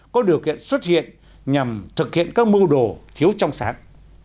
có điều kiện xuất hiện nhằm thực hiện các mưu đồ thiếu trong sáng